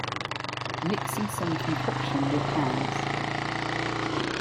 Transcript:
Mixing some concoction with hands